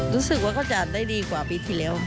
รู้สึกว่าเขาจะได้ดีกว่าปีที่แล้ว